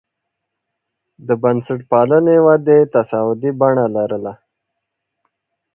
د بنسټپالنې ودې تصاعدي بڼه لرله.